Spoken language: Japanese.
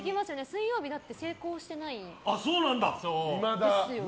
水曜日、成功してないですよね。